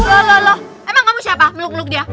lho lho lho emang kamu siapa meluk meluk dia